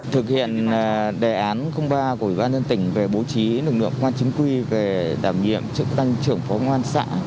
thực hiện đề án ba của ủy ban dân tỉnh về bố trí lực lượng công an chính quy về đảm nhiệm trưởng phó công an xã